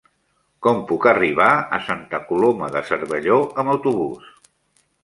Com puc arribar a Santa Coloma de Cervelló amb autobús?